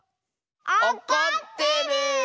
おこってる！